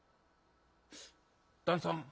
「旦さん